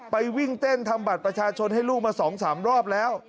วิ่งเต้นทำบัตรประชาชนให้ลูกมา๒๓รอบแล้ว